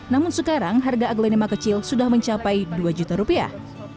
namun sekarang harga aglonema kecil sudah mencapai dua juta rupiah